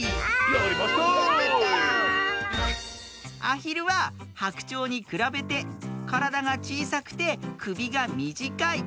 アヒルはハクチョウにくらべてからだがちいさくてくびがみじかい。